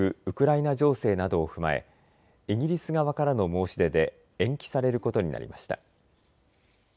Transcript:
ウクライナ情勢などを踏まえイギリス側からの申し出で延期されることになりました。